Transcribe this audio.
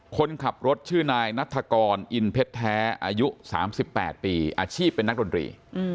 คนขับรถชื่อนายนัฐกรอินเพชรแท้อายุ๓๘ปีอาชีพเป็นนักดนตรี